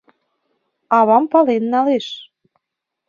Авам пален налеш...